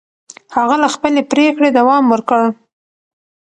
هغه له خپلې پرېکړې دوام ورکړ.